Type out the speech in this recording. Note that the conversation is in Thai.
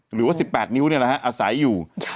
หรือว่าสิบแปดนิ้วเนี่ยนะฮะอาศัยอยู่